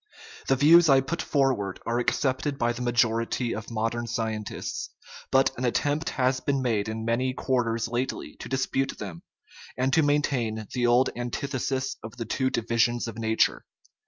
The views I put forward are accepted by the majority of modern scien tists, but an attempt has been made in many quarters lately to dispute them and to maintain the old antith esis of the two divisions of nature.